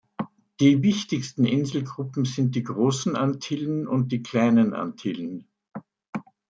Die wichtigsten Inselgruppen sind die Großen Antillen und die Kleinen Antillen.